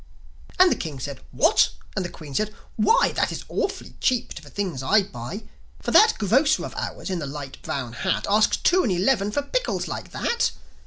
And the King said, "What?" and the Queen said, "Why, That is awfully cheap to the things I buy! For that grocer of ours in the light brown hat Asks two and eleven for pickles like that!"